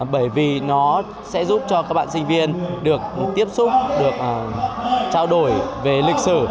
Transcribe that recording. bởi vì nó sẽ giúp cho các bạn sinh viên được tiếp xúc được trao đổi về lịch sử